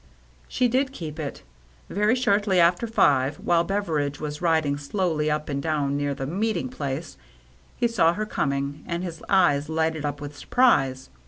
She did keep it. Very shortly after five, THE RED SEAL LABEL 155 while Beveridge was riding slowly up and down near the meeting place, he saw her com ing, and his eyes lighted up with surprise.